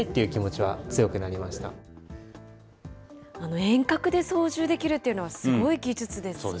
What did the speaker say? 遠隔で操縦できるというのは、すごい技術ですね。